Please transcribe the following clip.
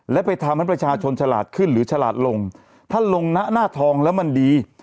และไปทำให้ประชาชนฉลาดขึ้นหรือฉลาดลงถ้าลงหน้าทองแล้วมันดี